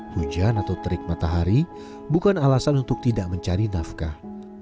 hujan atau terik matahari bukan alasan untuk tidak mencari nafkah